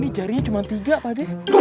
ini jarinya cuma tiga pak deh